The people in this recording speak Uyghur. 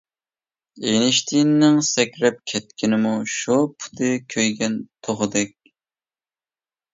ئېينىشتىيىننىڭ سەكرەپ كەتكىنىمۇ شۇ، پۇتى كۆيگەن توخۇدەك.